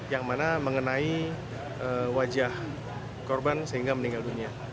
yang mana mengenai wajah korban sehingga meninggal dunia